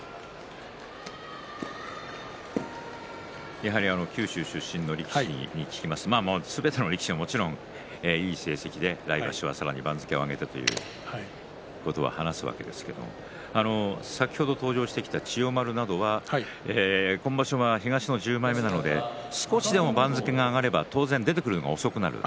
やはり九州出身の力士に聞きますとすべての力士がもちろんいい成績で、来場所は番付を上げてということを話すわけですが先ほど登場した千代丸などは今場所が東の１０枚目なので少しでも番付が上がれば当然出てくるのが遅くなる。